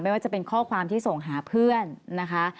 ว่าจะเป็นข้อความที่ส่งหาเพื่อนนะคะ